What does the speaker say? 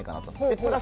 プラス